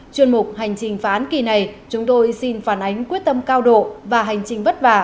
chuyên mục hành trình phá án kỳ này chúng tôi xin phản ánh quyết tâm cao độ và hành trình vất vả